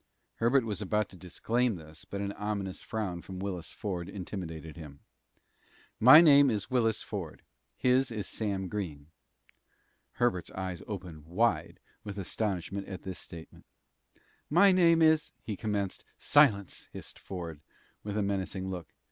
Herbert was about to disclaim this, but an ominous frown from Willis Ford intimidated him. "My name is Willis Ford; his is Sam Green." Herbert's eyes opened wide with astonishment at this statement. "My name is " he commenced. "Silence!" hissed Ford, with a menacing look.